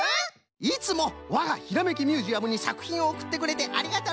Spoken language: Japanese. いつもわがひらめきミュージアムにさくひんをおくってくれてありがとうの！